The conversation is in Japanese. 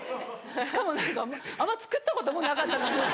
しかも何かあんま作ったこともなかったのに。